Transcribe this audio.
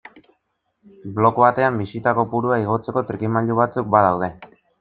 Blog batean bisita kopurua igotzeko trikimailu batzuk badaude.